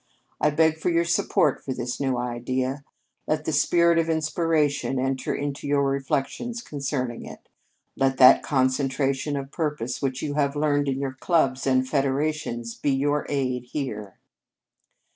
I beg for your support of this new idea. Let the spirit of inspiration enter into your reflections concerning it. Let that concentration of purpose which you have learned in your clubs and federations be your aid here.